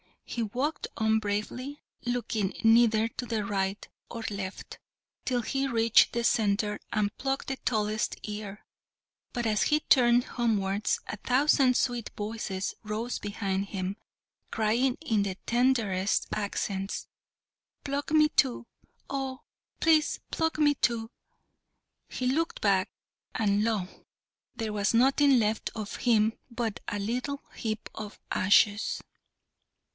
He walked on bravely, looking neither to the right or left, till he reached the centre and plucked the tallest ear, but as he turned homewards a thousand sweet voices rose behind him, crying in tenderest accents, "Pluck me too! oh, please pluck me too!" He looked back, and lo! there was nothing left of him but a little heap of ashes!